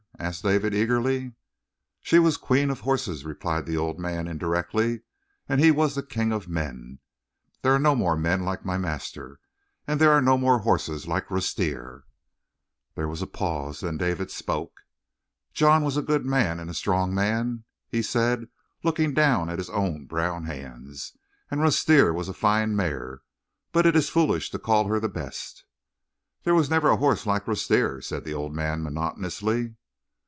asked David eagerly. "She was the queen of horses," replied the old man indirectly, "and he was the king of men; there are no more men like my master, and there are no more horses like Rustir." There was a pause, then David spoke. "John was a good man and a strong man," he said, looking down at his own brown hands. "And Rustir was a fine mare, but it is foolish to call her the best." "There was never a horse like Rustir," said the old man monotonously.